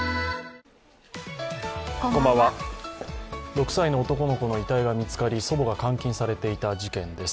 ６歳の男の子の遺体が見つかり祖母が監禁されていた事件です。